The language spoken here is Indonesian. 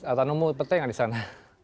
atau mood petai nggak di sana